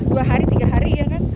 dua hari tiga hari ya kan